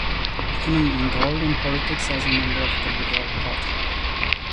Becoming involved in politics as a member of the Liberal Party.